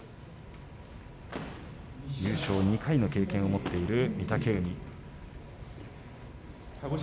優勝２回の経験を持っている御嶽海。